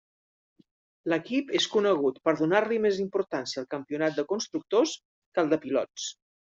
L'equip és conegut per donar-li més importància al campionat de constructors que al de pilots.